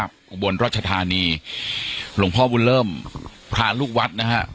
อุบลรัชธานีหลวงพ่อบุญเริ่มพระลูกวัดนะฮะ